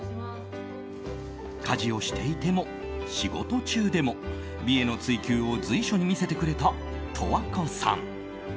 家事をしていても仕事中でも美への追求を随所に見せてくれた十和子さん。